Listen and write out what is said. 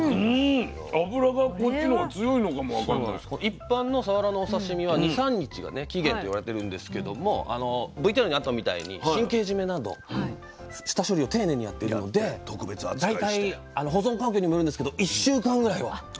一般のさわらのお刺身は２３日が期限と言われてるんですけどもＶＴＲにあったみたいに神経締めなど下処理を丁寧にやっているので大体保存環境にもよるんですけど１週間ぐらいは。